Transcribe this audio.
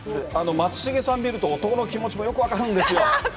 まつしげさんを見ると男の気持ちもよく分かるんですよ。